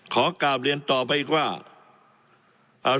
ขอกลับเรียนตอบที่นี้นะครับ